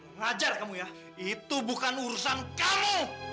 mengajar kamu ya itu bukan urusan kamu